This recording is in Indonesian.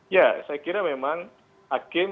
ya saya kira memang hakim